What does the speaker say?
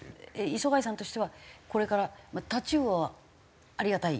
礒貝さんとしてはこれからタチウオはありがたい？